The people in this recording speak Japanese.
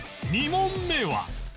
２問目は